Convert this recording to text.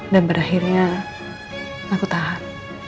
dan pada akhirnya aku tahan